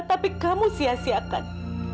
tapi kamu sia siakan